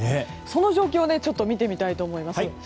その状況を見てみたいと思います。